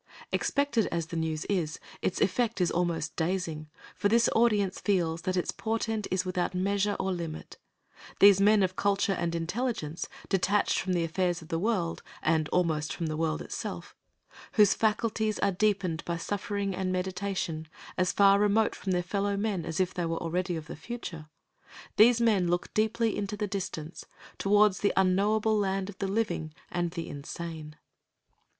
Expected as the news is, its effect is almost dazing, for this audience feels that its portent is without measure or limit. These men of culture and intelligence, detached from the affairs of the world and almost from the world itself, whose faculties are deepened by suffering and meditation, as far remote from their fellow men as if they were already of the Future these men look deeply into the distance, towards the unknowable land of the living and the insane.